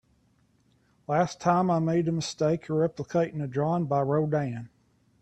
Last time, I made the mistake of replicating a drawing by Rodin.